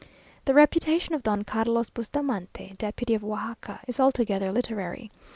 The reputation of Don Carlos Bustamante, deputy from Oajaca, is altogether literary.